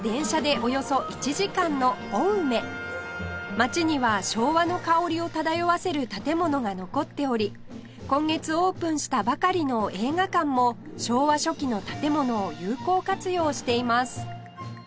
街には昭和の香りを漂わせる建物が残っており今月オープンしたばかりの映画館も昭和初期の建物を有効活用しています